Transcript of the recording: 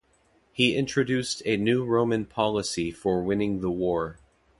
He introduced a new Roman policy for winning the war.